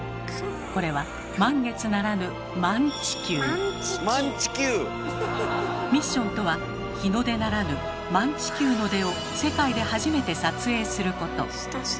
これは満月ならぬミッションとは日の出ならぬ「満地球の出」を世界で初めて撮影すること。